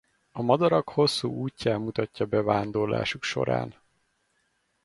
A madarak hosszú útján mutatja be vándorlásuk során.